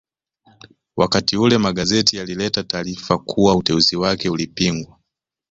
Wakati ule magazeti yalileta taarifa kuwa uteuzi wake ulipingwa